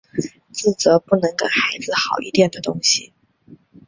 自责不能给孩子好一点的东西